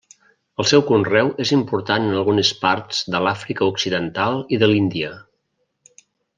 El seu conreu és important en algunes parts de l'Àfrica occidental i de l'Índia.